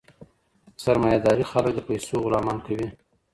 سرمایه داري خلګ د پیسو غلامان کوي.